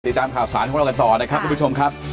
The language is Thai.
ติดตามข่าวสารของเรากันต่อนะครับทุกผู้ชมครับ